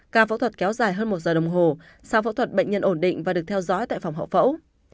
ca phẫu thuật kéo dài hơn một giờ đồng hồ sau phẫu thuật bệnh nhân ổn định và được theo dõi tại phòng hậu phẫu